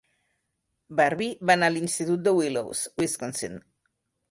Barbie va anar a l'Institut de Willows, Wisconsin.